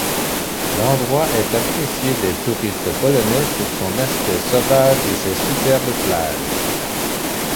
L'endroit est apprécié des touristes polonais pour son aspect sauvage et ses superbes plages.